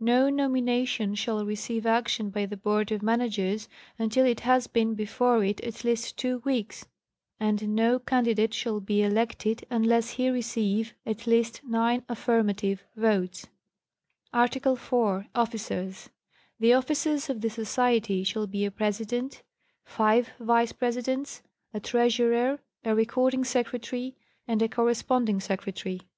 No nomination shall receive action by the Board of Managers until it has been before it at least two weeks, and no candidate shall be elected unless he receive at least nine affirmative votes. ARTICLE ITV. OFFICERS. The Officers of the Society shall be a President, five Vice Presidents, a Treasurer, a Recording Secretary, and a Correspond ing Secretary oe 306 National Geographic Magazine.